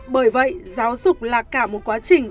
bởi vậy giáo dục là cả một quá trình